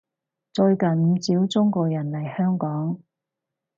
最近唔少中國人嚟香港